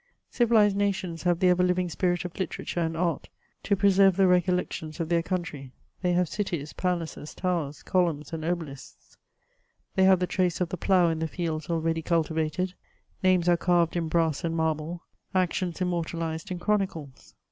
Civilised nations have the ever living spirit of literature and art to preserve the recollections of their country ; they have cities, palaces, towers, columns, and obelisks ; they have the trace of the plough, in the fields already cultivated ; names are carved in brass and marble, actions im mortalised in chronicles.